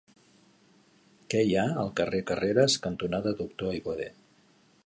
Què hi ha al carrer Carreras cantonada Doctor Aiguader?